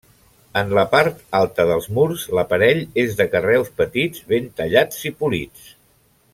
En la part alta dels murs, l'aparell és de carreus petits, ben tallats i polits.